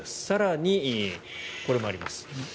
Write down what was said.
更にこれもあります。